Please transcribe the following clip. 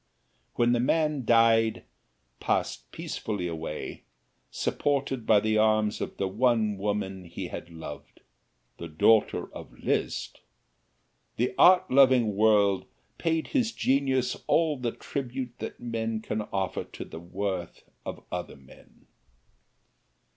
When the man died passed peacefully away, supported by the arms of the one woman he had loved the daughter of Liszt the art loving world paid his genius all the tribute that men can offer to the worth of other men.